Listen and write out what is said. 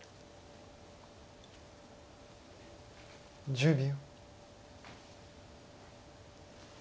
１０秒。